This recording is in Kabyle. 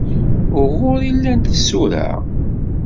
Uɣur i llant tsura?